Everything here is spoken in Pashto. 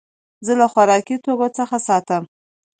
زه له خوراکي توکو څخه ساتم.